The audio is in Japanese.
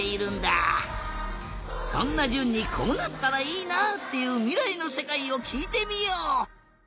そんなじゅんにこうなったらいいなっていうみらいのせかいをきいてみよう。